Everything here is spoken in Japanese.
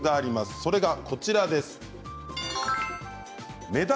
それが、こちらです。